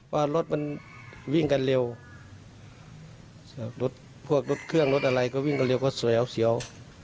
ว่ารถมันวิ่งกันเร็วรถพวกรถเครื่องรถอะไรก็วิ่งกันเร็วก็สวยเสียว